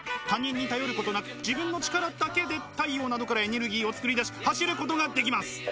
他人に頼ることなく自分の力だけで太陽などからエネルギーを作り出し走ることができます。